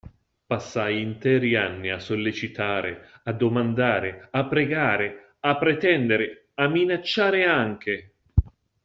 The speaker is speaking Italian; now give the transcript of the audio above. Passai interi anni a sollecitare, a domandare, a pregare, a pretendere, a minacciare anche.